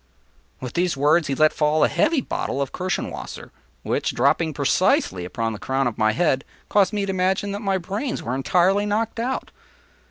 ” With these words he let fall a heavy bottle of Kirschenwasser which, dropping precisely upon the crown of my head, caused me to imagine that my brains were entirely knocked out.